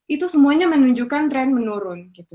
itu semuanya menunjukkan tren menurun gitu